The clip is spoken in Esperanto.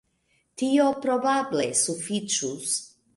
Tio probable sufiĉus.